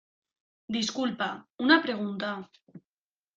disculpa, una pregunta